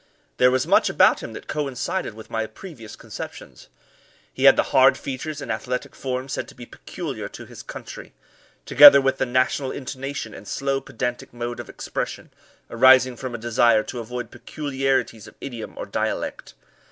There was much about him that coincided with my previous conceptions. He had the hard features and athletic form said to be peculiar to his country, together with the national intonation and slow pedantic mode of expression, arising from a desire to avoid peculiarities of idiom or dialect.